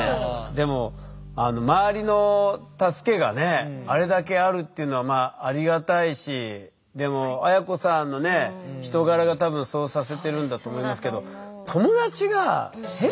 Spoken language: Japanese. でも周りの助けがねあれだけあるっていうのはありがたいしでも綾子さんのね人柄が多分そうさせてるんだと思いますけど。